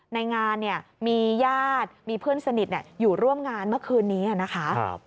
ในงานเนี่ยมีญาติมีเพื่อนสนิทอยู่ร่วมงานเมื่อคืนนี้นะคะ